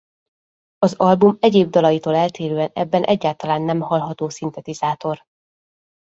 Az album egyéb dalaitól eltérően ebben egyáltalán nem hallható szintetizátor.